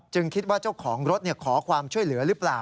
คิดว่าเจ้าของรถขอความช่วยเหลือหรือเปล่า